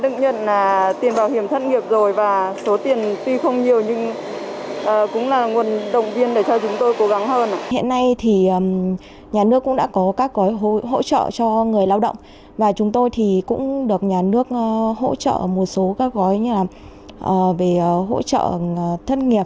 các nhà nước hỗ trợ một số các gói như là về hỗ trợ thất nghiệp